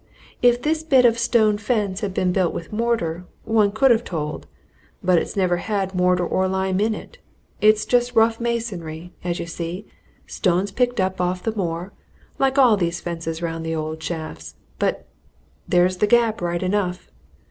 If this bit of a stone fence had been built with mortar, one could have told. But it's never had mortar or lime in it! it's just rough masonry, as you see stones picked up off the moor, like all these fences round the old shafts. But there's the gap right enough!